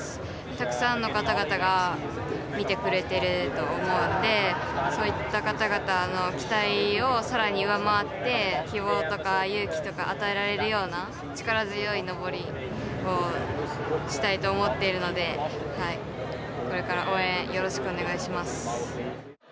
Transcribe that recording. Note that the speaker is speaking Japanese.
たくさんの方々が見てくれていると思うんでそういった方々の期待をさらに上回って希望とか勇気とか与えられるような力強い登りをしたいと思っているのでこれから、応援よろしくお願いします。